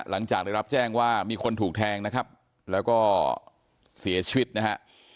หลังจากได้รับแจ้งว่ามีคนถูกแทงนะครับแล้วก็เสียชีวิตนะฮะ